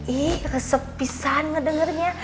ih resep pisan ngedengernya